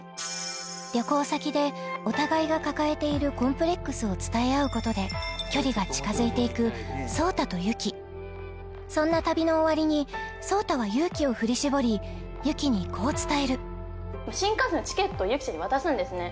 旅行先でお互いが抱えているコンプレックスを伝え合うことで距離が近づいていく壮太と雪そんな旅の終わりに壮太は勇気を振り絞り雪にこう伝える新幹線のチケット雪ちゃんに渡すんですね